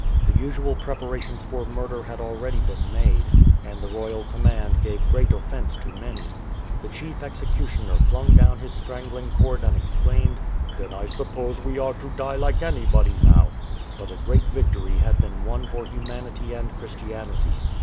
The usual prepara tions for murder had already been made, and the royal command gave great offence to many. The chief execu tioner flung down his strangling cord and exclaimed, " Then I suppose we are to die like anybody now !" But a great victory had been won for humanity and Chris tianity.